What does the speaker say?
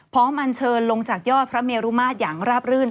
อันเชิญลงจากยอดพระเมรุมาตรอย่างราบรื่น